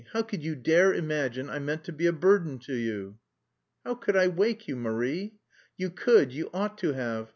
How could you dare imagine I meant to be a burden to you?" "How could I wake you, Marie?" "You could, you ought to have!